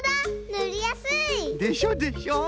ぬりやすい！でしょでしょ？